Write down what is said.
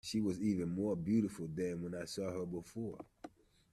She was even more beautiful than when I saw her, before.